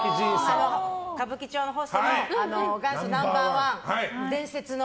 歌舞伎町のホストの元祖ナンバー１、伝説の。